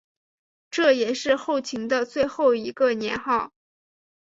这也是后秦的最后一个年号。